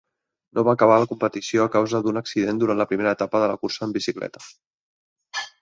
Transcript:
No va acabar la competició a causa d'un accident durant la primera etapa de la cursa en bicicleta.